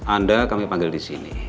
anda kami panggil disini